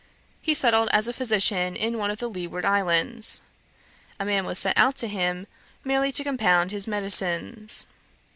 He settled as a physician in one of the Leeward Islands. A man was sent out to him merely to compound his medicines.